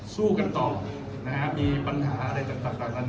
สู้กันต่อนะครับมีปัญหาอะไรต่างต่างต่าง